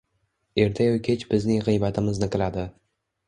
Erta-yu kecha bizning g‘iybatimizni qiladi.